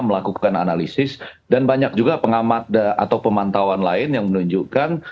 melakukan analisis dan banyak juga pengamat atau pemantauan lain yang menunjukkan